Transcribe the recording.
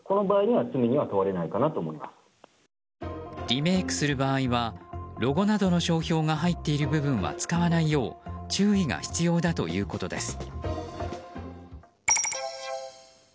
リメイクする場合はロゴなどの商標が入っている部分は使わないよう注意が必要だということです。